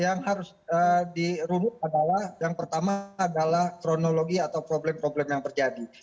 yang harus dirubut adalah yang pertama adalah kronologi atau problem problem yang terjadi